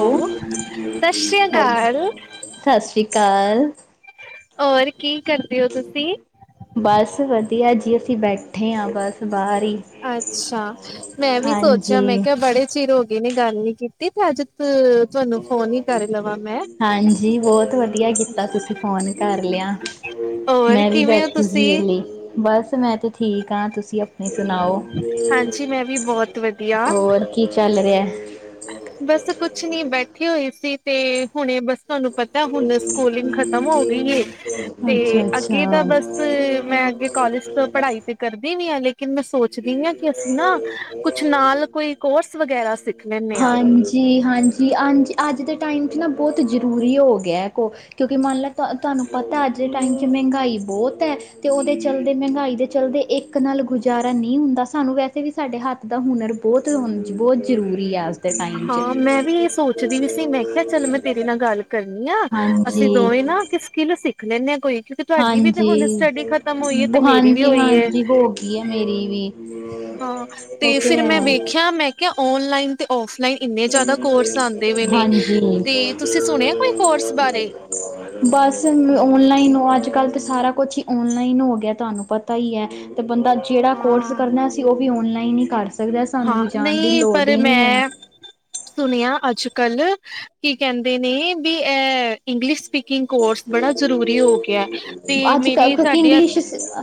ਉਹ ਹੈਲੋ ਸਤਿ ਸ੍ਰੀ ਥੈਂਕਸ ਅਕਾਲ ਸਤਿ ਸ੍ਰੀ ਅਕਾਲ ਹੋਰ ਕੀ ਕਰਦੇ ਓ ਤੁਸੀਂ ਬਸ ਵਧੀਆ ਜੀ ਅਸੀਂ ਬੈਠੇ ਆ ਬਸ ਬਾਹਰ ਈ ਅੱਛਾ ਮੈਂ ਵੀ ਸੋਚਿਆ ਮੈਂ ਕਿਆ ਬੜੇ ਚਿਰ ਹੋ ਗਏ ਨੇ ਗੱਲ ਨੀ ਕੀਤੀ ਤੇ ਅੱਜ ਤੁਹਾਨੂੰ ਫੋਨ ਈ ਕਰ ਲਵਾਂ ਮੈਂ ਹਾਂਜੀ ਬੋਤ ਵਧੀਆ ਕੀਤਾ ਤੁਸੀਂ ਫੋਨ ਕਰ ਲਿਆ। ਹੋਰ ਮੈਂ ਵੀ ਕਿਵੇਂ ਹੋ ਬੈਠੀ ਸੀ ਤੁਸੀਂ? ਵੇਲੀ ਬਸ ਮੈਂ ਤੇ ਠੀਕ ਆ ਤੁਸੀਂ ਅਪ ਤੁਸੀ ਸੁਣਾਓ ਹਾਂਜੀ ਮੈਂ ਵੀ ਬਹੁਤ ਵਧੀਆ ਹੋਰ ਕੀ ਚੱਲ ਰਿਹਾ ਬਸ ਕੁੱਛ ਨੀ ਬੈਠੇ ਹੋਏ ਸੀ ਤੇ ਹੁਣੇ ਬਸ ਤੁਹਾਨੂੰ ਪਤਾ ਹੁਣ ਸਕੂਲਿੰਗ ਖਤਮ ਹੋ ਗਈ ਏ ਰਿਹਾ ਤੇ ਅੱਛਾ ਅੱਛਾ ਅੱਗੇ ਤਾਂ ਬਸ ਮੈਂ ਅੱਗੇ ਕਾਲਜ ਤੋਂ ਪੜ੍ਹਾਈ ਤੇ ਕਰਦੀ ਨੀ ਹੱਲੇ। ਕੀ ਮੈਂ ਸੋਚਦੀ ਆ ਕੀ ਅਸੀਂ ਨਾ ਕੁੱਛ ਨਾਲ ਕੋਈ ਕੋਰਸ ਵਗੈਰਾ ਸਿੱਖ ਲੈਂਣੇ ਆ। ਜੀ ਹਾਂਜ ਜੀ ਹਾਂਜੀ ਅੱਜ ਦੇ ਟਾਈਮ ਚ ਨਾ ਬੋਤ ਜ਼ਰੂਰੀ ਹੋ ਗਿਆ ਕੋ ਕਿਉਂਕਿ ਮੰਨ ਲੈ ਤ ਤੁਹਾਨੂੰ ਪਤਾ ਅੱਜ ਦੇ ਟਾਈਮ ਚ ਮਹਿੰਗਾਈ ਬੋਤ ਐ। ਤੇ ਓਦੇ ਚਲਦੇ ਮਹਿੰਗਾਈ ਦੇ ਚਲਦੇ ਇੱਕ ਨਾਲ ਗੁਜ਼ਾਰਾ ਨੀ ਹੁੰਦਾ। ਸਾਨੂੰ ਵੈਸੇ ਵੀ ਸਾਡੇ ਹੱਥ ਦਾ ਹੁਨਰ ਬੋਤ ਹੁਣ ਬੋਤ ਜ਼ਰੂਰੀ ਆ। ਦੇ ਟਾਈਮ 'ਚ ਹਾਂ ਮੈਂ ਵੀ ਏ ਸੋਚਦੀ ਵੀ ਸੀ ਮੈਂ ਕਿਆ ਚੱਲ ਮੈਂ ਤੇਰੇ ਨਾਲ ਗੱਲ ਕਰਨੀ ਆ ਅਸੀਂ ਹਾਂਜੀ ਦੋਵੇਂ ਨਾ ਕਿਸ ਸਕਿਲ ਸਿੱਖ ਲੈਂਣੇ ਆ ਕੋਈ। ਤੁਹਾਡੀ ਵੀ ਤੇ ਹੁਣ ਸਟੱਡੀ ਖਤਮ ਹੋਈ ਹੈ ਤੇ ਮੇਰੀ ਵੀ ਹੋਈ ਹੈ। ਹਾਂਜੀ-ਹਾਂਜੀ-ਹਾਂਜੀ ਬ ਹੋ ਗਈ ਐ ਮੇਰੀ ਵੀ ਹਾਂ ਉਹ ਤੇ ਫਿਰ ਹੈ ਮੈਂ ਵੇਖਿਆ ਮੈਂ ਕਿਆ ਔਨਲਾਈਨ ਤੇ ਓਫ ਨਈ ਇੰਨੇ ਜ਼ਾਦਾ ਕੋਰਸ ਆਂਦੇ ਪੇਏ ਨੇ ਹਾਂਜੀ ਤੇ ਤੁਸੀਂ ਸੁਣਿਆ ਕੋਈ ਕੋਰਸ ਬਾਰੇ ਹ [inaudible] ਬਸ ਔਨਲਾਈਨ ਅੱਜ-ਕੱਲ੍ਹ ਤਾਂ ਸਾਰਾ ਕੁੱਛ ਈ ਔਨਲਾਈਨ ਹੋ ਗਿਆ ਤਾਨੂੰ ਪਤਾ ਈ ਐ। ਤੇ ਬੰਦਾ ਜੇੜਾ ਕੋਰਸ ਹਾਂ ਕਰਨਾ ਸੀ ਉ ਵੀ ਔਨਲਾਈਨ ਈ ਕਰ ਸਕਦ ਕੇਦਾਂ ਹਾਂ ਸਾਨੂੰ ਜਾਣ ਦੀ ਨਹੀਂ ਲੋੜ ਪਰ ਈ ਨੀ ਐ- ਮੈਂ ਸੁਣਿਆ ਅੱਜ ਕੱਲ ਕੀ ਕਹਿੰਦੇ ਨੇ ਵੀ ਐ ਇੰਗਲਿਸ਼ ਸਪੀਕਿੰਗ ਇਕ ਅੋਰਸ ਬੜਾ ਜਰੂਰੀ ਹੋ ਗਿਆ ਤੇ ਅੱਜ-ਕੱਲ੍ਹ ਮੇਰੇ ਕਿਉਂਕਿ ਸਾਡੇ ਇੰਗਲਿਸ਼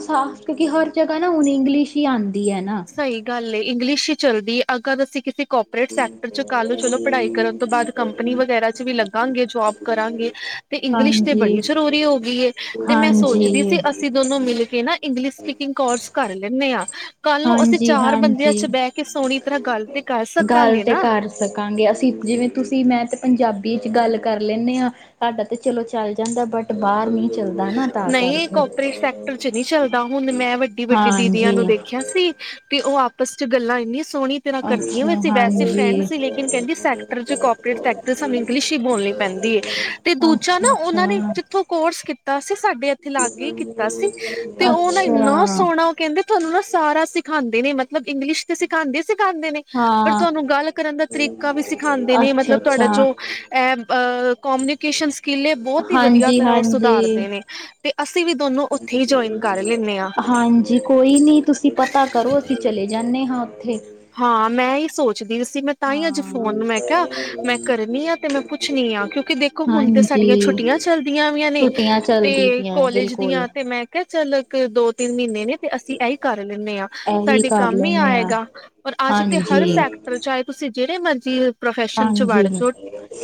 ਸਾ ਕਿਉਂਕਿ ਹਰ ਜਗ੍ਹਾ ਨਾ ਹੁਣ ਇੰਗਲਿਸ਼ ਹੀ ਆਦੀ ਏ ਨਾ ਸਈ ਗੱਲ ਏ ਇੰਗਲਿਸ਼ ਈ ਚੱਲਦੀ ਅੱਗਰ ਅਸੀ ਕਿਸੇ ਕੋਪੀ ਟ ਸੈਕਟਰ ਚ ਕ ਚਲੋ ਪੜ੍ਹਾਈ ਕਰਨ ਤੋਂ ਬਾਦ ਕੰਪਨੀ ਵਗੈਰਾ ਚ ਵੀ ਲਗਾਂਗੇ ਜੋਬ ਕਰਾਂਗੇ ਤੇ ਇੰਗਲਿਸ਼ ਤੇ ਹਾਂਜੀ ਬੜੀ ਜ਼ਰੂਰੀ ਹੋ ਗਈ ਏ ਤੇ ਮੈਂ ਸੋਚਦੀ ਹਾਂਜੀ ਸੀ ਅਸ ਅਸੀਂ ਦੋਨੋ ਮਿਲ ਕੇ ਨਾ ਇੰਗਲਿਸ਼ ਸਪੀਕਿੰਗ ਕੋਰਸ ਕਰ ਲੈਂਨੇ ਆ, ਕੱਲ੍ਹ ਨੂੰ ਅਸੀਂ ਹਾਂਜੀ ਚਾਰ ਬੰਦੇਆਂ ਹਾਂਜੀ ਚ ਬੇਹ ਕੇ ਸੋਹਣੀ ਤਰ੍ਹਾਂ ਗੱਲ ਤੇ ਕਰ ਗੱਲ ਸਕਾਂਗੇ ਤੇ ਨਾ ਕਰ ਸਕਾਂਗੇ। ਅਸੀਂ ਜਿਵੇਂ ਤੁਸੀਂ ਮੈਂ ਤੇ ਪੰਜਾਬੀ ਚ ਗੱਲ ਕਰ ਲੈਂਨੇ ਆ। ਸਾਡਾ ਤਾ ਚਲੋ ਚੱਲ ਜਾਂਦਾ ਬਟ ਬਾਹਰ ਨਹੀਂ ਚੱਲਦਾ ਨਾ ਤਾਂ ਨਈ ਕਰਕੇ ਕੋਪਰੇਟ ਫੇਕਟਰ ਚ ਨੀ ਚੱਲਦਾ ਹੁਣ ਮੈਂ ਵੱ ਵੱਡੀ-ਵੱਡੀ ਦੀਦੀਆਂ ਨੂੰ ਹਾਂਜੀ ਦੇਖਿਆ ਸੀ ਤੇ ਉਹ ਆਪਸ ਚ ਗੱਲਾਂ ਇੰਨੀ ਸੋਹਣੀ ਤਰ੍ਹਾਂ ਕਰਦੀਆਂ ਅੱਛਾ ਵੈੇ ਵੈਸੇ ਫਰੈਂਡ ਹਾਂਜੀ ਸੀ ਲੇਕਿਨ ਕਹਿੰਦੀ ਸੈਕਟਰ ਚ ਕੋਪਰੇਟੈਕਟਰ ਸਾਨੂੰ ਇੰਗਲਿਸ਼ ਹੀ ਬੋਲਣੀ ਪੈਂਦੀ ਏ। ਤੇ ਦੂਜਾ ਨਾ ਅੱਛਾ ਓਨਾਂ ਨੇ ਅੱਛਾ ਜਿੱਥੋਂ ਕੋਰਸ ਕੀਤਾ ਸੀ ਸਾਡੇ ਥੇ ਲਾਗੇ ਕੀਤਾ ਸੀ ਤੇ ਉਹ ਨਾ ਇੰਨਾ ਅੱਛਾ ਸੋਹਣਾ ਕਹਿੰਦੇ ਤੁਹਾਨੂੰ ਨਾ ਸਾਰਾ ਸਿਖਾਂਦੇ ਨੇ ਮਤਲਬ ਇੰਗਲਿਸ਼ ਤੇ ਸਿਖਾਂਦੇ ਈ ਸਿਖਾਂਦੇ ਨੇ ਪਰ ਹਾਂ ਤੁਹਾਨੂੰ ਗੱਲ ਕਰਨ ਦਾ ਤਰੀਕਾ ਵੀ ਸਿਖਾਂਦੇ ਨੇ ਅੱਛਾ ਮਤਲਬ ਤੁਹਾਡਾ ਅੱਛਾ ਜੋ ਐ ਅ ਕੋਮਊਨੀਕੇਸ਼ਨ ਸਕਿੱਲ ਏ ਬੋਤ ਈ ਵਧੀਆ ਹਾਂਜੀ ਤਰ੍ਹਾਂ ਹਾਂਜੀ ਸੁਧਾਰਦੇ ਨੇ ਤੇ ਅਸੀਂ ਵੀ ਦੋਨੋ ਉੱਥੇ ਹੀ ਜੁਆਇਨ ਕਰ ਲੈਂਨੇ ਆ। ਜੀ ਕੋਈ ਨੀ ਤੁਸੀਂ ਪਤਾ ਕਰੋ ਅਸੀਂ ਚਲੇ ਜਾਂਨੇ ਆ ਉੱਥੇ। ਹਾਂ ਮੈਂ ਇਹੀ ਸੋਚਦੀ ਸੀ ਮੈਂ ਤਾਂ ਹੀ ਅੱਜ ਹਾਂ ਫੋਨ ਮੈਂ ਕਿਆ ਮੈਂ ਕਰਨੀ ਆ ਤੇ ਮੈਂ ਪੁੱਛਣੀ ਆ ਕਿਉਂਕਿ ਦੇਖੋ ਹੁਣ ਤੇ ਹਾਂਜੀ ਸਾਡੀਆਂ ਛੁੱਟੀਆਂ ਚਲਦੀਆਂ ਵੀਆਂ ਨੇ ਛੁੱਟੀਆਂ ਤੇ ਚੱਲਦੀ ਪਈਆਂ ਕੋਲੇਜ ਬਿਲਕੁਲ ਦੀਆਂ ਤੇ ਮੈਂ ਕਿਹਾ ਚੱਲ ਇੱਕ-ਦੋ-ਤਿੰਨ ਮਹੀਨੇ ਨੇ ਤੇ ਅਸੀਂ ਇਹੀ ਕਰ ਲੈਂਦੇ ਹਾਂ, ਇਹੀ ਸਾਡੇ ਕਰ ਕੰਮ ਹੀ ਲੈਂਦੇ ਹਾਂ ਆਏਗਾ। ਔਰ ਤੇ ਹਰ ਹਾਂਜੀ ਸੈਕਟਰ ਚਾਹੇ ਤੁਸੀਂ ਜਿਹੜੇ ਮਰਜ਼ੀ ਪ੍ਰੋਫੈਸ਼ਨ ਚ ਵੜ ਹਾਂਜੀ, ਜੋ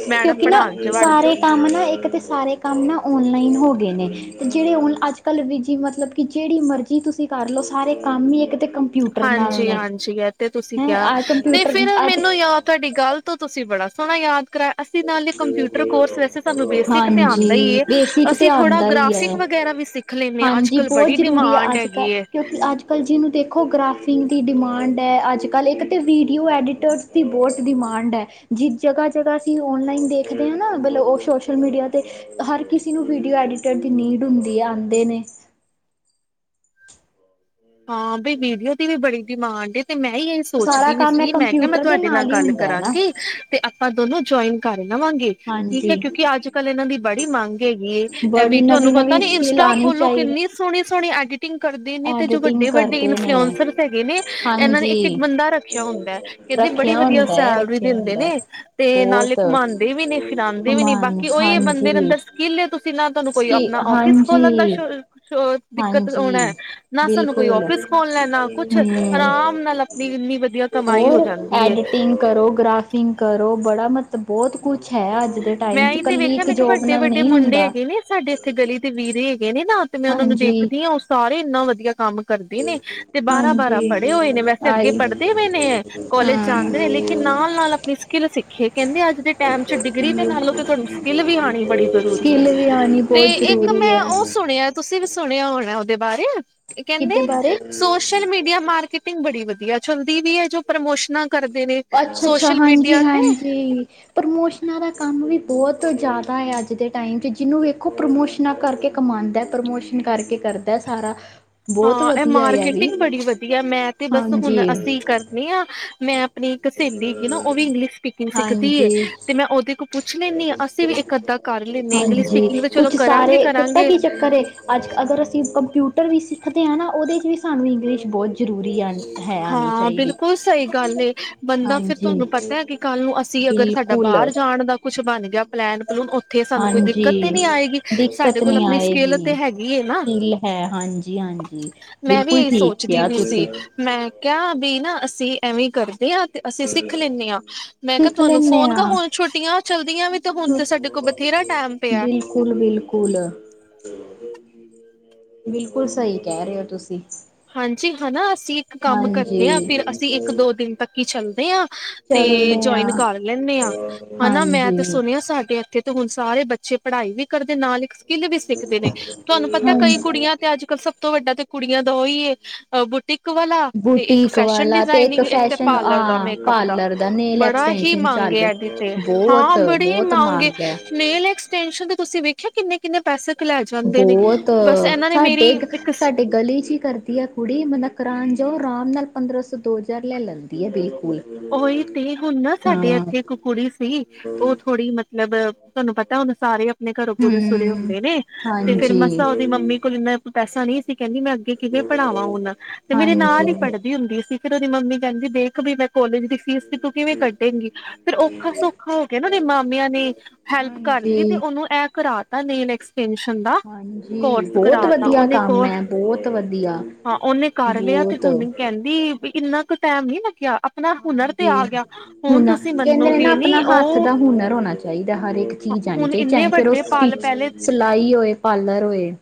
ਮੈਡਮ ਕਿਉਂਕਿ ਨਾ ਪੜ੍ਹਾਣ ਚ ਵੜ ਜੋ ਸਾਰੇ ਕੰਮ ਨਾ ਇੱਕ ਤੇ ਸਾਰੇ ਕੰਮ ਨਾ ਔਨਲਾਈਨ ਹੋ ਗਏ ਨੇ ਤੇ ਜਿਹੜੇ ਨ ਅੱਜ ਕੱਲ੍ਹ ਵੀ ਜੀ ਮਤਲਬ ਕਿ ਜਿਹੜੀ ਮਰਜ਼ੀ ਕੀ ਤੁਸੀਂ ਕਰ ਲਓ, ਸਾਰੇ ਕੰਮ ਹੀ ਇੱਕ ਤੇ ਕੰਮ ਹਾਂਜੀ-ਹਾਂਜੀ, ਐ ਤੇ ਤੁਸੀਂ ਕਿਹਾ ਆਹ ਤੇ ਕੰਪਿਊਟਰ ਫੇਰ ਅੱਜ ਮੈਨੂੰ ਯ ਤੁਹਾਡੀ ਗੱਲ ਤੋਂ ਤੁਸੀਂ ਬੜਾ ਸੋਹਣਾ ਯਾਦ ਅਸੀਂ ਨਾਲੇ ਕੰਪਿਊਟਰ ਕੋਰਸ ਵੈਸੇ ਸਾਨੂੰ ਬੇਸਿਕ ਧਿਆਨ ਦਾ ਹੀ ਹਾਂਜੀ ਏ, ਬੇਸਿਕ ਤੇ ਅਸੀਂ ਥੋੜਾ ਆਉਂਦਾ ਹੀ ਗ੍ਰਾਫਿਕ ਹੈ ਵਗੈਰਾ ਵੀ ਸਿੱਖ ਲੈਂਦੇ ਆ, ਹਾਂਜੀ ਅੱਜ-ਕੱਲ ਬੜੀ ਡਿਮਾਂਡ ਹੈਗੀ ਐਂ। ਅੱਜ-ਕੱਲ੍ਹ ਜੀਨੂੰ ਦੇਖੋ ਗ੍ਰਾਫਿੰਗ ਦੀ ਡਿਮਾਂਡ ਏ, ਅੱਜ-ਕੱਲ੍ਹ ਇੱਕ ਤਾਂ ਵੀਡੀਓ ਐਡੀਟਰਸ ਦੀ ਬਹੁਤ ਡਿਮਾਂਡ ਐ। ਜੀ ਜਗ੍ਹਾ-ਜਗ੍ਹਾ ਅਸੀਂ ਔਨਲਾਈਨ ਦੇਖਦੇ ਆ ਨਾ ਮਤਲਬ ਉਹ ਸੋਸ਼ਲ ਮੀਡੀਆ ਤੇ ਹਰ ਕਿਸੇ ਨੂੰ ਵੀਡੀਓ ਐਡੀਟਰ ਦੀ ਨੀਡ ਹੁੰਦੀ ਆ ਆਂਦੇ ਨੇ ਹਾਂ ਬੀ ਵੀਡੀਓ ਦੀ ਵੀ ਬੜੀ ਡਿਮਾਂਡ ਏ ਤੇ ਮੈਂ ਈ ਇਸ ਸਾਰਾ ਸੋਚਦੀ ਵੀ ਕੰਮ ਹੈ ਸੀ, ਮੈਂ ਕਿਆ ਮੈਂ ਕੰਪਿਊਟਰ ਦੇ ਤੁਹਾਡੇ ਨਾਲ ਹੀ ਗੱਲ ਹੁੰਦਾ ਹੈ ਨਾ ਕਰਾਂਗੀ ਤੇ ਆਪਾਂ ਦੋਨੋ ਜੁਆਇਨ ਕਰ ਲਵਾਂਗੇ। ਠੀਕ ਏ ਹਾਂਜੀ ਕਿਉਂਕਿ ਅੱਜ-ਕੱਲ ਏਨਾਂ ਦੀ ਬੜੀ ਮੰਗ ਹੈਗੀ ਏ, ਬੜੀ ਅੇਵੀ ਤਾਨੂੰ ਨਵੀਂ ਪਤਾ ਨਵੀਂ ਨੀ ਸਕਿੱਲ ਇੰਸਟੋਕ ਆਉਣੀ ਖੋਲੋ ਚਾਹੀਦੀ ਕਿੰਨੀ ਸੋਹਣੀ-ਸੋਹਣੀ ਐਡੀਟਿੰਗ ਕਰਦੇ ਤੇ ਜੋ ਐਡੀਟਿੰਗ ਵੱਡੇ-ਵੱਡੇ ਕਰਦੇ ਨੇ ਇਨਫਲੂਐਸਰ ਹੈਗੇ ਨੇ, ਏਨਾਂ ਨੇ ਇੱਕ-ਇੱਕ ਹਾਂਜੀ ਬੰਦਾ ਰੱਖਿਆ ਹੁੰਦਾ ਏ। ਕਹਿੰਦੇ ਬੜੀ ਰੱਖਿਆ ਵਧੀਆ ਹੁੰਦਾ ਹੈ ਸੈਲਰੀ ਰੱਖਿਆ ਦਿੰਦੇ ਹੁੰਦਾ ਹੈ। ਨੇ ਤੇ ਨਾਲੇ ਬਹੁਤ ਘੁਮਾਂਦੇ ਵੀ ਨੇ ਫਿਰਾਂਂਦੇ ਵੀ ਨੀ ਕਮਾਨ ਬਾਕੀ ਉਹੀ ਏ ਬੰਦੇ ਹਾਂਜੀ ਅੰਦਰ ਸਕਿੱਲ ਤੁਸੀਂ ਨਾ ਤੁਹਾਨੂੰ ਕੋਈ ਕੀ ਆਪਣਾ ਫਿਸ ਖੋਲਣ ਹਾਂਜੀ ਦਾ ਦਿੱਕਤ ਆਉਣਾ। ਹਾਂਜੀ ਨਾ ਸਾਨੂੰ ਕੋਈ ਬਿਲਕੁਲ ਓਫਿਸ ਖੋਲਨਾ ਏ ਨਾ ਕੁਛ ਹਮ ਆਰਾਮ ਨਾਲ ਆਪਣੀ ਇੰਨੀ ਵਧੀਆ ਕਮਾਈ ਹੋ ਜਾਂਦੀ ਹੋਰ ਏ। ਐਡੀਟਿੰਗ ਕਰੋ, ਗ੍ਰਾਫਿੰਗ ਕਰੋ, ਬੜਾ ਮਹੱਲਬ ਬੋਤ ਕੁਛ ਐ ਅੱਜ ਦੇ ਟਾਈਮ ਮੈਂ ਚ ਏਹੀ ਤੇ ਇਕੱਲੀ ਵੇਖਿਆ ਇੱਕ ਮੈਂ ਜੋਬ ਨਾਲ ਵੱਡੇ-ਵੱਡੇ ਨਹੀਂ ਮੁੰਡੇ ਹੁੰਦਾ ਹੈਗੇ ਨੇ ਸਾਡੇ ਥੇ ਗਲੀ ਦੇ ਵੀਰੇ ਹੈਗੇ ਨੇ ਨਾ ਤੇ ਮੈਂ ਉਹਨਾਂ ਨੂੰ ਹਾਂਜੀ ਦੇਖਦੀ ਹਾਂ ਉਹ ਸਾਰੇ ਇੰਨਾ ਵਧੀਆ ਕੰਮ ਕਰਦੇ ਨੇ ਤੇ ਬਾਰਾਂ-ਬਾਰਾਂ ਹਾਂਜੀ ਪੜ੍ਹੇ ਹੋਏ ਨੇ, ਵੈਸੇ ਅੱਗੇ ਆਈ ਪੜ੍ਹਦੇ ਪਏ ਨੇ ਕੋਾਲਜ ਜਾਂਦੇ ਹਾਂ ਨੇ ਲੇਕਿਨ ਨਾਲ ਨਾਲ ਆਪਣੀ ਸਕਿੱਲ ਸਿੱਖੇ, ਕਹਿੰਦੇ ਅੱਜ ਦੇ ਟਾਈਮ ਚ ਡਿਗਰੀ ਨਾਲ ਤੁਹਾਨੂੰ ਸਕਿੱਲ ਵੀ ਆਣੀ ਬੜੀ ਜ਼ਰੂਰੀ ਐ, ਸਕਿੱਲ ਵੀ ਆਉਣੀ ਤੇ ਬਹੁਤ ਇੱਕ ਜ਼ਰੂਰੀ ਮੈਂ ਹੈ ਉਹ ਕਿਹਦੇ ਸੁਣਿਆ ਤੁਸੀਂ ਵੀ ਸੁਣਿਆ ਹੋਣਾ ਉਹਦੇ ਬਾਰੇ, ਕਹਿੰਦੇ ਬਾਰੇ ਸੋਸ਼ਲ ਮੀਡੀਆ ਮਾਰਕੀਟ ਟੀਗ ਬੜੀ ਵਧੀਆ ਚੱਲਦੀ ਵੀ ਹੈ ਜੋ ਪ੍ਰਮੋਸ਼ਨਾਂ ਕਰਦੇ ਨੇ ਅੱਛਾ-ਅੱਛਾ, ਸੋਸ਼ਲ ਮੀਡੀਆ ਤੇ ਹਾਂਜੀ-ਹਾਂਜੀ। ਪ੍ਰਮੋਸ਼ਨਾਂ ਦਾ ਕੰਮ ਵੀ ਬਹੁਤ ਜ਼ਿਆਦਾ ਆ ਅੱਜ ਦੇ ਟਾਈਮ ਚ, ਜਿਹਨੂੰ ਵੇਖੋ ਪ੍ਰਮੋਸ਼ਨਾਂ ਕਰਕੇ ਕਮਾਉਦਾ, ਪ੍ਰਮੋਸ਼ਨ ਕਰਕੇ ਕਰਦਾ ਸਾਰਾ। [unintelligible] ਬਹੁਤ ਹਾਂ, ਇਹ ਵਧੀਆ ਆ ਵੀ ਮਾਰਕੀਟਿੰਗ ਬੜੀ ਵਧੀਆ, ਮੈਂ ਤੇ ਬਸ ਹੁਣ ਹਾਂਜੀ। ਅਸੀਂ ਕਰਨੇ ਹਾਂ ਮੈਂ ਮੇਰੀ ਇੱਕ ਸਹੇਲੀ ਹੈਗੀ ਨਾ, ਉਹ ਵੀ ਇੰਗਲਿਸ਼ ਸਪੀਕਿੰਗ ਸਿੱਖਦੀ ਏ, ਹਾਂਜੀ-ਹਾਂਜੀ ਤੇ ਮੈਂ ਉਹਦੇ ਕੋ ਪੁੱਛ ਲੈਨੀ ਹਾਂ, ਅਸੀਂ ਵੀ ਇੱਕ ਅੱਧਾ ਕਰ ਲੈਂਨੇ ਹਾਂ, ਇੰਗਲਿਸ਼ ਸਪੀਕਿੰਗ ਤੇ ਚਲੋ ਕੁਛ ਕਰਾਂਗੇ, ਸਾਰੇ ਪਤਾ ਕਰਾਂਗੇ। ਕੀ ਚੱਕਰ ਏ ਅੱਜ ਕ ਅਗਰ ਅਸੀਂ ਕੰਪਿਊਟਰ ਵੀ ਸਿੱਖਦੇ ਹਾਂ ਨਾ, ਉਹਦ 'ਚ ਵੀ ਸਾਨੂੰ ਇੰਗਲਿਸ਼ ਬਹੁਤ ਜ਼ਰੂਰੀ ਆ ਹੈ ਆਣੀ ਹਾਂ ਚਾਹੀਦੀ ਬਿਲਕੁਲ ਸਹੀ ਗੱਲ ਏ ਬੰਦਾ ਫਿਰ ਹਾਂਜੀ ਤੁਹਾਨੂੰ ਪਤਾ ਹੈ ਕਿ? ਕੱਲ ਨੂੰ ਅਸੀਂ, ਅਗਰ ਸਾਡਾ ਬਿਲਕੁਲ ਬਾਹਰ ਜਾਣ ਦਾ ਕੁੱਛ ਬਣ ਗਿਆ। ਪਲੈਨ ਪਲੂਨ, ਉੱਥੇ ਸਾਨੂੰ ਕੋਈ ਦਿੱਕਤ ਤੇ ਹਾਂਜੀ ਨਹੀਂ ਆਏਗੀ ਸਾਡੇ ਦਿੱਕਤ ਕੋਲ, ਨੀ ਆਪਣੀ ਸਕਿੱਲ ਤੇ ਆਏਗੀ। ਹੈਗੀ ਨਾ। ਹਿੱਲ ਹੈ, ਹਾਂਜੀ -ਹਾਂਜੀ, ਮੈਂ ਵੀ ਬਿਲਕੁਲ ਇਹੀ ਠੀਕ ਸੋਚਦੀ ਕਿਹਾ, ਵੀ ਤੁਸੀਂ। ਸੀ ਮੈਂ ਕਿਹਾ, ਬੀ ਨਾ, ਅਸੀਂ ਐਵੇਂ ਕਰਦੇ ਹਾਂ। ਤੇ ਅਸੀਂ ਸਿੱਖ ਲੈਂਦੇ ਹਾਂ, ਮੈਂ ਕਿਹਾ ਸਿੱਖ ਤੁਹਾਨੂੰ ਲੈਂਦੇ ਫੋਨ ਹਾਂ ਹੁਣ ਛੁੱਟੀਆਂ ਚਲਦੀਆਂ ਵੀ ਤੇ ਹੁਣ ਤੇ ਸਾਡੇ। ਕੋ, ਬਥੇਰਾ ਟਾਈਮ ਪਿਆ। ਬਿਲਕੁਲ- ਬਿਲਕੁਲ। ਬਿਲਕੁਲ, ਸਹੀ ਕਹਿ ਰਹੇ ਹੋ ਤੁਸੀਂ? ਹਾਂਜੀ ਹਨਾ, ਅਸੀਂ ਇੱਕ ਕੰਮ ਹਾਂਜੀ ਕਰਦੇ ਹਾਂ, ਫਿਰ ਅਸੀਂ ਇੱਕ ਦੋ ਦਿਨ ਤੱਕ ਹੀ ਚੱਲਦੇ ਹਾਂ। ਤੇ ਚੱਲਦੇ ਹਾਂ ਜੁਆਇਨ ਕਰ ਲੈਂਦੇ ਹਾਂ, ਹਨਾ, ਮੈਂ ਤੇ ਹਾਂਜੀ ਸੁਣਿਆ ਸਾਡੇ ਇੱਥੇ ਤੇ ਹੁਣ, ਸਾਰੇ ਬੱਚੇ ਪੜ੍ਹਾਈ ਵੀ ਕਰਦੇ, ਨਾਲ ਇੱਕ ਸਕਿੱਲ ਵੀ ਸਿੱਖਦੇ ਨੇ, ਤੁਹਾਨੂੰ ਪਤਾ ਕਈ ਹਾਂਜੀ ਕੁੜੀਆਂ? ਤੇ, ਅੱਜ ਕੱਲ੍ਹ ਸਭ ਤੋਂ ਵੱਡਾ ਤੇ, ਕੁੜੀਆਂ ਦਾ ਉਹੀ ਹੈ। ਬੁ ਕ ਵਾਲਾ, ਤੇ ਇੱਕ ਬੁਟੀਕ ਫੈਸ਼ਨ ਵਾਲਾ ਤੇ ਡਿਜ਼ਾਇਨਿੰਗ, ਇੱਕ ਤੇ ਫੈਸ਼ਨ ਆ ਪਾਰਲਰ ਦਾ ਮੇਕਅਪ ਦਾ ਪਾਰਲਰ ਨੇਲ ਬੜਾ ਹੀ ਐਕਸਟੈਂਸ਼ਨ ਮੰਗ ਚੱਲ ਆ। ਹਾਂ, ਬਹੁਤ ਬੜੀ ਬਹੁਤ ਮੰਗ ਏ, ਹੈ ਨੇਲ ਐਕਸਟੇੰਸਨ ਦਾ ਤੁਸੀਂ ਵੇਖਿਆ ਕਿੰਨੇ- ਕਿੰਨੇ, ਪੈਸੇ ਲੈ ਜਾਂਦੇ ਨੇ, ਬਹੁਤ ਬਸ ਇਹਨਾਂ ਨੇ ਮੇਰੀ ਸਾਡੇ ਇੱਕ। ਸਾਡੇ ਗਲੀ ਚ ਹੀ ਕਰਦੀ ਹੈ ਕੁੜੀ, ਮਤਲਬ ਕਰਾਨ ਜਾਓ ਆਰਾਮ ਨਾਲ, ਪੰਦਰਾਂ ਸੌ ਦੋ ਹਜ਼ਾਰ ਲੈ ਲੈਂਦੀ ਹੈ ਬਿਲਕੁਲ। ਉਹੀ ਤੇ, ਹੁਣ ਨਾ ਸਾਡੇ ਹਾਂ ਇੱਥੇ ਇੱਕ ਕੁੜੀ ਸੀ, ਉਹ ਥੋੜੀ ਮਤ ਮਤਲਬ, ਤੁਹਾਨੂੰ ਪਤਾ ਹੁਣ ਸਾਰੇ ਘਰੋਂ ਪੂਰੇ ਸੁਰ ਹੂੰ, ਹੁੰਦੇ ਨੇ, ਤੇ ਫਿਰ ਹਾਂਜੀ। ਮਸਾ ਉਹਦੀ ਮੰਮੀ ਕੋਲ, ਇੰਨਾ ਪੈਸਾ ਨਹੀਂ ਸੀ। ਕਹਿੰਦੀ ਮੈਂ, ਅੱਗੇ ਕਿਵੇਂ ਪੜ੍ਹਾਵਾਂ ਹੁਣ? ਤੇ ਮੇਰੇ ਨਾਲ ਹੀ ਹਾਂਜੀ। ਪੜ੍ਹਦੀ ਹੁੰਦੀ ਸੀ, ਫਿਰ ਉਹਦੀ ਮੰਮੀ ਕਹਿੰਦੀ ਦੇਖ ਵੀ ਮੈਂ। ਕੋਲੇਜ ਦੀ ਫੀਸ ਤੂੰ ਕਿਵੇਂ ਕੱਢੇਗੀ ਊ?, ਫਿਰ ਔਖਾ- ਸੌਖਾ ਹੋ ਕੇ ਨਾ ਇਹਦੇ ਮਾਮਿਆਂ ਨੇ ਹੈਲਪ ਕਰਤੀ, ਤੇ ਹਾਂਜੀ, ਉਹਨੂੰ ਇਹ ਕਰਾ ਤਾ ਨੇਲ ਐਕਸ ਟੈਨਸ਼ਨ ਦਾ ਹਾਂਜੀ ਕੋਰਸ ਬਹੁਤ ਕਰਾ ਤਾ, ਵਧੀਆ ਉਹਨੇ ਕੰਮ ਕੋਰ ਐ ਬਹੁਤ ਵਧੀਆ। ਹਾਂ, ਉਹਨੇ ਕਰ ਲਿਆ ਤੇ, ਬਹੁਤ ਹੁਣ ਕਹਿੰਦੀ ਵੀ ਇੰਨਾ ਕੁ ਟਾਈਮ ਨਹੀ, ਉ ਉਚ ਥ੍ਰਹ ਲੱਗਿਆ ਆਪਣਾ ਹੁਨਰ ਤੇ ਆ ਹਾਂਜੀ ਗਿਆ ਹੁਣ ਤੁਸੀਂ ਕਹਿੰਦੇ ਨੇ, ਨਾ ਮੰਨੋਗੇ ਨੀ ਆਪਣਾ ਹੱਥ ਉਹ ਦਾ ਹੁਨਰ ਹੋਣਾ ਚਾਹੀਦਾ ਹਰ ਇੱਕ ਚੀਜ਼ ਆਣੀ ਹੁਣ ਚਾਹੀਦੀ, ਇੰਨੇ ਚਾਹੇ ਫਿਰ ਉਹ ਵੱਡੇ ਸਿ ਪਲ ਪਹਿਲੇ ਸਿਲਾਈ ਹੋਏ, ਪਾਰਲਰ ਹੋਏ?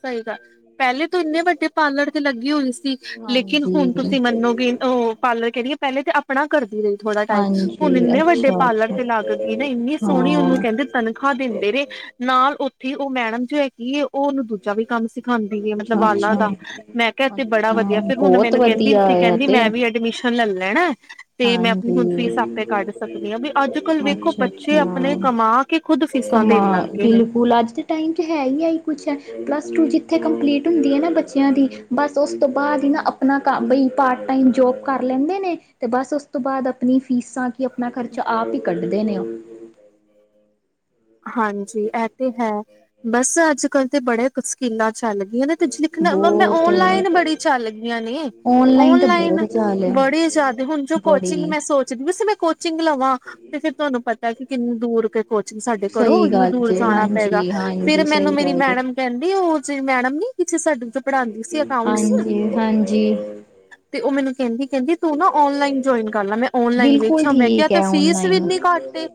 ਸਹੀ ਗੱਲ ਹੈ, ਪਹਿਲੇ ਤੂੰ ਇੰਨੇ ਵੱਡੇ ਪਾਰਲਰ ਤੇ ਲੱਗੀ ਹੋਈ ਸੀ, ਲੇਕਿਨ ਹੁਣ ਹਾਂਜੀ। ਤੁਸੀਂ ਮੰਨੋਗੇ ਉਹ ਪਾਰਲਰ, ਕਹਿ ਰਹੀ ਪਹਿਲੇ ਤਾਂ ਆਪਣਾ ਕਰਦੀ ਰਹੀ, ਥੋੜਾ ਟਾਈਮ, ਹਾਂਜੀ ਹੁਣ ਇੰਨੇ ਵੱਡੇ ਅੱਛਾ ਪਾਰਲਰ ਅੱਛਾ ਤੇ ਲੱਗ ਗਈ ਨਾ, ਇੰਨੀ ਸੋਹਣੀ ਉਹਨੂੰ ਹਾਂ। ਕਹਿੰਦੇ ਤਨਖਾਹ ਦਿੰਦੇ ਨੇ, ਨਾਲ ਉੱਥੇ ਉਹ ਮੈਡਮ ਜੋ ਹੈਗੀ ਐ ਉਹ ਉਹਨੂੰ, ਦੂਜਾ ਵੀ ਕੰਮ ਸਿਖਾਉਂਦੀ ਹੈ ਮਤਲਬ ਅੱਛਾ ਵਾਲਾਂ ਅੱਛਾ ਦਾ ਮੈਂ ਕਿਹਾ, ਤੇ ਬੜਾ ਅੱਛਾ ਵਧੀਆ, ਫਿਰ ਹੁਣ ਬਹੁਤ ਮੈਨੂੰ ਕਹਿੰਦੀ ਵਧੀਆ ਸੀ, ਆ ਕਹਿੰਦੀ ਤੇ ਮੈਂ ਵੀ, ਅਡਮਿਸ਼ਨ ਲੈ ਲੈਣਾ। ਤੇ ਮੈਂ ਆਪਣੀ ਹੁਣ ਹਾਂਜੀ। ਫੀਸ ਆਪੇ ਕੱਢ ਸਕਦੀ ਹਾਂ, ਬਈ ਅੱਜ -ਕੱਲ ਵੇਖੋ, ਅੱਛਾ ਬੱਚੇ ਆਪਣੇ ਅੱਛਾ। ਕਮਾ ਕਿ, ਖੁਦ ਫੀਸਾਂ ਕਮਾ ਦੇਣ ਲੱਗ ਗਏ ਨੇ। ਬਿਲਕੁਲ ਅੱਜ ਦੇ ਟਾਈਮ ਚ ਹੈ ਹੀ, ਇਹੀ ਕੁਛ ਹੈ, ਪਲੱਸ ਟੂ ਜਿੱਥੇ ਕੰਪਲੀਟ ਹੁੰਦੀ ਹੈ ਨਾ, ਬੱਚਿਆਂ ਦੀ। ਬਸ ਉਸ ਤੋਂ ਬਾਅਦ ਹੀ ਨਾ, ਆਪਣਾ ਬਈ ਪਾਰਟ ਟਾਈਮ ਜੋਬ ਕਰ ਲੈਂਦੇ ਨੇ, ਤੇ ਬਸ ਉਸ ਤੋਂ ਬਾਅਦ। ਆਪਣੀ ਫੀਸਾਂ ਕੀ, ਆਪਣਾ ਖਰਚਾ ਆਪ ਹੀ, ਕੱਢਦੇ ਨੇ ਉਹ। ਹਾਂਜੀ ਇਹ ਤੇ ਹੈ, ਬਸ ਅੱਜ -ਕੱਲ ਤੇ, ਬੜੇ ਕਸਕੀਲਾਂ ਚੱਲ ਗਈਆਂ ਨੇ। ਕੁਛ ਲਿਖਣਾ, [unintelligible] ਬਹੁਤ ਔਨਲਾਈਨ ਬੜੀ ਚੱਲ ਗਈਆਂ ਨੇ। ਤਾਂ ਔਨਲਾਈਨ ਬਹੁਤ ਚਾਲ ਹੈ ਬੜੇ ਜ਼ਿਆਦਾ, ਹੁਣ ਜੋ ਕੋਚਿੰਗ ਬੜੀ ਮੈਂ ਸੋਚਦੀ, ਵੈਸੇ ਮੈ ਕੋ ਕੋਚਿੰਗ ਲਵਾਂ, ਤੇ ਫਿਰ ਤੁਹਾਨੂੰ ਪਤਾ, ਕਿ ਕਿੰਨੀ ਦੂਰ ਕੇ ਕੋਚਿੰਗ ਸਾਡੇ। ਘਰੋਂ ਸਹੀ ਇਨੀਂ ਗੱਲ ਦੂਰ ਜੇ ਜਾਣਾ ਪਏਗਾ, ਹਾਂਜੀ ਹਾਂਜੀ ਫੇਰ ਮੈਨੂੰ ਸਹੀ ਮੇਰੀ ਗੱਲ ਜੇ ਮੈਡਮ। ਕਹਿੰਦੀ, ਉਹ ਜਿਹੜੀ ਮੈਡਮ ਨੀ ਹੈਗੀ ਸੀ ਸਾਡੇ ਓਥੇ ਪੜ੍ਹਾਉਂਦੀ ਸੀ, ਅਕਾਊਂਟ ਹਾਂਜੀ ਹਾਂਜੀ ਤੇ, ਉਹ ਮੈਨੂੰ ਕਹਿੰਦੀ -ਕਹਿੰਦੀ ਤੂੰ ਨਾ, ਔਨਲਾਈਨ ਜੁਆਇਨ ਕਰ ਲਾ, ਮੈਂ। ਔਨਲਾਈਨ ਬਿਲਕੁਲ ਵੇਖਿਆ ਮੈਂ ਕਿਹਾ ਠੀਕ ਤੇ ਹੈ ਫੀਸ ਵੀ ਓਨਲਾਈਨ ਇੰਨੀ ਘੱਟ ਏ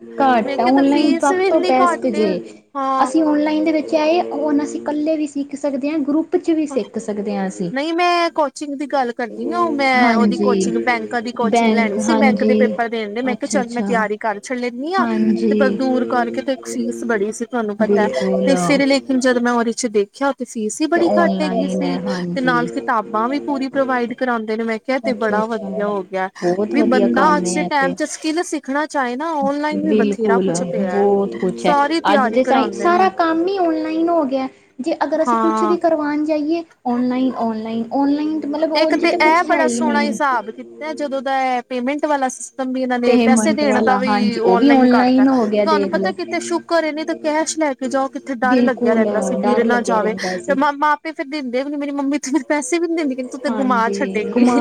ਮੈਂ ਘੱਟ ਕਿਹਾ ਤੇ ਓਨਲਾਈਨ ਫੀਸ ਸਭ ਵੀ ਤੋਂ ਪਹਿ ਇੰਨੀ ਟੈਸਟ ਘੱਟ ਏ ਜੇ ਹਾਂ ਅਸੀਂ ਔਨਲਾਈਨ ਦੇ ਵਿੱਚ ਆਏ ਅਸੀਂ ਇਕੱਲੇ ਵੀ ਸਿੱਖ ਸਕਦੇ ਹਾਂ ਗਰੁੱਪ। 'ਚ ਵੀ ਸਿੱਖ ਸਕਦੇ ਹਾਂ ਅਸੀਂ ਨਹੀਂ ਮੈਂ ਕੋਚਿੰਗ ਦੀ ਗੱਲ ਕਰਦੀ ਹ ਉਹ ਮੈਂ ਉਹਦੀ ਕੋਚਿੰਗ ਹਾਂਜੀ ਬੈਂਕਾਂ ਦੀ। ਕੋਚਿੰਗ ਲੈਣੀ ਬੈਂਕ ਸੀ ਬੈਂਕ ਦੇ ਹਾਂਜੀ ਪੇਪਰ ਦੇਣ ਦੇ ਮੈਂ ਕਿਹਾ ਅੱਛਾ ਚੱਲ ਮੈਂ ਅੱਛਾ ਤਿਆਰੀ ਕਰ ਛਡ ਲੈਂਦੀ ਹਾਂ। ਤੇ ਬ ਹਾਂਜੀ ਦੂਰ ਕਰਕੇ ਤੇ ਇੱਕ ਫੀਸ ਬੜੀ ਸੀ ਤੁਹਾਨੂੰ ਪਤਾ ਬਿਲਕੁਲ ਤੇ ਸਿਰ ਲ। ਹੁਣ ਜਦ ਮੈਂ ਉਹਦੇ ਚ ਦੇਖਿਆ ਉਹ ਤੇ ਫੀਸ ਹੀ ਤੇ ਬੜੀ ਘੱਟ ਹੈਗੀ ਔਨਲਾਈਨ ਸੀ ਹੈ ਤੇ ਨਾਲ ਹਾਂਜੀ ਸੀ। ਕਿਤਾਬਾਂ ਵੀ ਪੂਰੀ ਪ੍ਰੋਵਾਈਡ ਕਰਾਉਂਦੇ ਨੇ ਮੈਂ ਕਿਹਾ ਤੇ ਅੱਛਾ ਬੜਾ ਅੱਛਾ ਵਧੀਆ ਹੋ ਗਿਆ ਬਹੁਤ ਵੀ ਵਧੀਆ ਬੰਦਾ ਕੰਮ ਅੱਜ ਦੇ ਹੈ ਇਹ ਟਾਈਮ ਤੇ ਚ ਸ੍ਕਿਲ ਸੀ। ਦੇਖਣਾ ਚਾਹੇ ਨਾ ਔਨਲਾਈਨ ਵੀ ਬਥੇਰਾ ਬਿਲਕੁਲ ਕੁਛ ਪਿਆ ਬਹੁਤ ਕੁਛ ਹੈ ਸਾਰੀ ਅੱਜ ਤਿਆਰੀ ਦੇ ਟਾਈਮ ਕਰਾਉਂਦੇ ਸਾਰਾ ਨੇ। ਕੰਮ ਹੀ ਔਨਲਾਈਨ ਹੋ ਗਿਆ ਜੇ ਅਗਰ ਅਸੀਂ ਕੁਛ ਵੀ ਹਾਂ ਕਰਵਾਉਣ ਜਾਈਏ। Online online online. ਮਤਲਬ ਇੱਕ ਉਝ ਤੇ ਕੁਛ ਇਹ ਹੈ ਬੜਾ ਹੀ ਸੋਹਣਾ ਨਹੀਂ। ਹਿਸਾਬ ਕੀਤਾ ਜਦੋਂ ਦਾ ਇਹ ਪੇਮੈਂਟ ਵਾਲਾ। ਵੀ ਇਹਨਾਂ ਨੇ ਪੈਸੇ ਪੇਮੈਂਟ ਦੇਣ ਦਾ ਵਾਲਾ ਵੀ ਹਾਂਜੀ ਉਹ ਔਨਲਾਈਨ ਕਰਤਾ ਹੋ ਗਿਆ ਤੁਹਾਨੂੰ ਦੇਖ ਪਤਾ ਲਓ ਕਿਤੇ ਸ਼ੁਕਰ ਏ ਨੇ ਤਾਂ ਕੈਸ਼ ਲੈ। ਜਾਓ ਕਿੱਥੇ ਡਰ ਲੱਗਿਆ ਬਿਲਕੁਲ ਰਹਿੰਦਾ ਸੀ ਗਿਰ ਡਰ ਨਾ ਲੱਗਿਆ ਜਾਵੇ ਰਹਿੰਦਾ ਤੇ ਸੀ ਮਾਮਾ ਤੇ ਫਿਰ ਦਿੰਦੇ ਵੀ ਨੀ ਮੇਰੀ ਮੰਮੀ ਉਥੇ ਮੇਰੇ ਪੈਸੇ ਵੀ ਨੀ ਦਿੰਦੀ ਕਹਿੰ ਤੂੰ ਤੇ ਗੁਮਾ ਹਾਂਜੀ ਛੱਡੇਂਗੀ। ਘੁਮਾ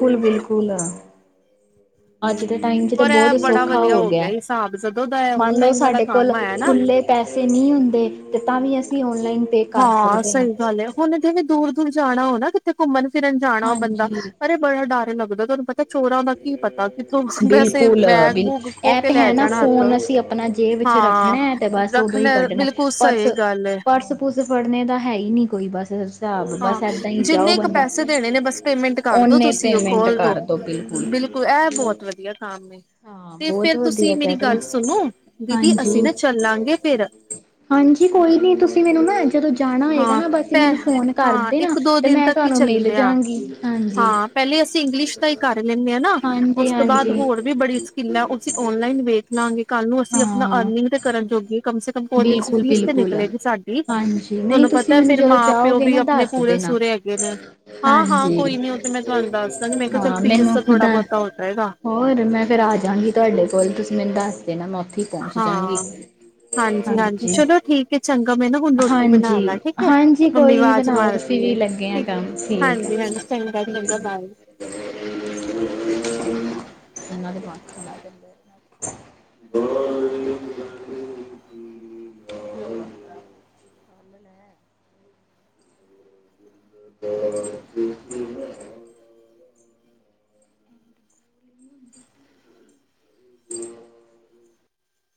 ਬਿਲਕੁਲ ਬਿਲਕੁਲ ਆ। ਅੱਜ ਦੇ ਟਾਈਮ ਚ ਤੇ ਪਰ ਇਹ ਬਹੁਤ ਬੜਾ ਸੌਖਾ ਵਧੀਆ ਹੋ ਗਿਆ ਹਿਸਾਬ ਜਦੋਂ ਦਾ ਮੰਨ ਲਓ ਔਨਲਾਈਨ ਵਾਲਾ ਸਾਡੇ ਕੋਲ ਕੰਮ ਆਇਆ ਨਾ ਖੁੱਲੇ ਪੈਸੇ ਨਹੀਂ ਹੁੰਦੇ ਤੇ ਤਾਂ ਵੀ ਅਸੀਂ ਔਨਲਾਈਨ। ਪੇ ਕਰ ਹਾਂ ਸਕਦੇ ਸਹੀ ਗੱਲ ਹੈ ਹੁਣ ਜਵੇਂ ਦੂਰ ਦੂਰ ਜਾਣਾ ਹੋ ਨਾ ਕਿਥੇ ਘੁੰਮਣ ਫਿਰਨ ਜਾਣਾ ਬੰਦਾ ਹਾਂਜੀ ਪਰ। ਬੜਾ ਡਰ ਲੱਗਦਾ ਤੁਹਾਨੂੰ ਪਤਾ ਚੋਰਾਂ ਦਾ ਕੀ ਪਤਾ। ਕਿੱਥੋਂ ਵੈਸੇ ਬਿਲਕੁਲ ਬੈਗ ਬਿਲਕੁ ਬੂਗ ਖੋ ਇਹ ਕੇ ਤਾਂ ਲੈ ਹੈ ਨਾ ਜਾਣਾ ਹੱਥ ਫੋਨ ਅਸੀਂ ਆਪਣਾ ਜੇਬ ਵਿੱਚ ਰੱਖਣਾ ਹਾਂ ਹੈ ਤੇ ਬਸ। ਉਦੋਂ ਹੀ ਰੱਖਣਾ ਕੱਢਣੇ ਬਿਲਕੁਲ ਪਰਸ ਸਹੀ ਗੱਲ ਹੈ ਪੁਰਸ ਫੜਨੇ ਤਾਂ ਹੈ ਹੀ ਨਹੀਂ ਕੋਈ ਬਸ। ਹਿਸਾਬ ਹਾਂ ਬਸ ਏਦਾਂ ਹੀ ਜਾਓ ਜਿੰਨੇ ਕੁ ਬੰਦਾ ਪੈਸੇ ਦੇਣੇ ਨੇ ਬਸ ਪੇਮੈਂਟ ਕਰ ਦੋ ਓਨੇ ਤੁਸੀਂ ਉਹ ਪੇਮੈਂਟ ਖੋਲ ਦੋ ਕਰ ਦੀ। ਬਿਲਕੁਲ ਇਹ ਬਹੁਤ ਵਧੀਆ ਕੰਮ ਏ। ਹਾਂ ਤੇ ਬਹੁਤ ਫਿਰ ਤੁਸੀਂ ਵਧੀਆ ਮੇਰੀ ਕਹਿ ਰਹੇ ਗੱਲ ਸੁਣੋ ਦੀਦੀ ਅਸੀਂ ਹਾਂਜੀ ਨਾ ਚੱਲਾਂਗੇ ਫਿਰ। ਹਾਂਜੀ ਕੋਈ ਨੀ ਤੁਸੀਂ ਮੈਨੂੰ ਨਾ ਜਦੋਂ ਜਾਣਾ ਹੋਏਗਾ ਹਾਂ ਨਾ ਬਸ ਪੈ ਮੈਨੂੰ ਫੋਨ ਹਾਂ ਕਰਦੇ ਨਾ ਇੱਕ ਦੋ ਤੇ ਦਿਨ ਮੈਂ ਤੱਕ ਹੀ ਤੁਹਾਨੂੰ ਮਿਲ ਚੱਲਦੇ ਆ ਜਾਗੀ ਹਾਂਜੀ। ਹਾਂ ਪਹਿਲੇ ਅਸੀਂ ਇੰਗਲਿਸ਼ ਦਾ ਹੀ ਕਰ ਲੈਂਦੇ ਹਾਂ ਨਾ ਹਾਂਜੀ ਉਸ ਤੋਂ ਬਾਅਦ ਹਾਂਜੀ ਹੋਰ ਵੀ ਬ ਸਕਿੱਲ ਹੈ ਉਹ ਅਸੀਂ ਔਨਲਾਈਨ ਵੇਖ ਲਾਂਗੇ ਕੱਲ੍ਹ ਨੂੰ ਅਸੀਂ ਆਪਣਾ ਹਾਂ ਅਰਨਿੰਗ ਤੇ ਕਰਨ ਜੋਗੇ। ਕਮ ਸੇ ਕਮ ਕਾੱਲੇਜ ਫੀਸ ਤੇ ਬਿਲਕੁਲ-ਬਿਲਕੁਲ ਨਿਕਲੇਗੀ ਸਾਡੀ। ਹਾਂਜੀ ਨਹੀਂ ਤੁਹਾਨੂੰ ਤੁਸੀਂ ਪਤਾ ਮੈਨੂੰ ਫਿਰ ਜਦੋਂ ਮਾਂ ਪਿਓ ਜਾਓਗੇ ਵੀ ਨਾ ਆਪਣੇ ਦੱਸ ਪੂਰੇ ਦੇਣਾ। ਸੂਰੇ ਹੈਗੇ ਨੇ। ਹਾਂ ਹਾਂ ਹਾਂਜੀ। ਕੋਈ ਨੀ ਉਹ ਤੇ ਮੈਂ ਤੁਹਾਨੂੰ ਦੱਸਦਾਂਗੀ ਮੈਂ ਕਿਹਾ ਚੱਲ ਹਾਂ ਫ਼ੀਸ ਤਾਂ ਮੈਨੂੰ ਥੋੜ੍ਹਾ ਦਾ ਬਹੁਤਾ ਹੋ ਜਾਏਗਾ। ਹੋਰ ਮੈਂ ਫ਼ੇਰ ਆਜਾਂਗੀ ਤੁਹਾਡੇ ਕੋਲ ਤੁਸੀਂ ਮੈਨੂੰ ਦੱਸ ਦੇਣਾ ਮੈਂ ਉੱਥੇ ਹੀ ਪਹੁੰਚ ਜਾਂਗੀ। ਹਾਂ ਹਾਂਜੀ ਹਾਂਜੀ ਚਲੋ ਠੀਕ ਹੈ ਚੰਗਾ ਮੈਂ ਨਾ ਹੁਣ ਰੋਟੀ ਬਣਾ ਲਾ ਠੀਕ ਹੈ ਹਾਂਜੀ-ਹਾਂਜੀ ਮੰਮੀ ਕੋਈ ਨੀ ਆਵਾਜ਼ ਬਣਾਓ ਮਾਰ। ਅਸੀਂ ਵੀ ਲੱਗੇ ਆ ਠੀਕ ਕੰਮ ਠੀਕ ਆ। ਹਾਂਜੀ ਹਾਂਜੀ ਚੰਗਾ ਠੀਕ। ਚੰਗਾ ਬਾਏ। ਇਹਨਾਂ ਦੇ ਬਾਤ ਲਾ ਦਿੰਦੇ। ਹਮ ਹਮ।